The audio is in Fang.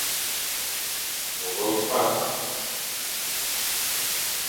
Bo be fam.